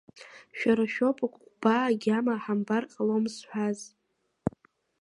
Шәара шәоуп акәыкәбаа агьама ҳамбар ҟалом зҳәаз.